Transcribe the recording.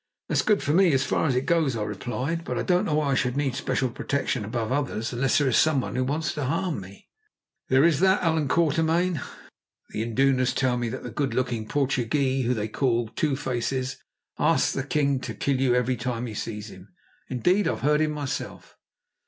"That's good for me as far as it goes," I replied. "But I don't know why I should need special protection above others, unless there is someone who wants to harm me." "There is that, Allan Quatermain. The indunas tell me that the good looking Portugee, whom they call 'Two faces,' asks the king to kill you every time he sees him. Indeed, I've heard him myself."